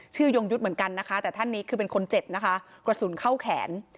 ยงยุทธ์เหมือนกันนะคะแต่ท่านนี้คือเป็นคนเจ็บนะคะกระสุนเข้าแขน